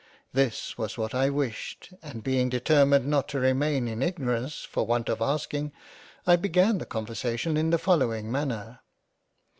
This was what I wished and being determined not to remain in ignorance for want of asking, I began the Conversation in the following Manner.